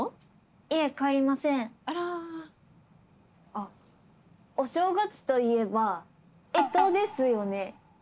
あお正月といえば干支ですよね。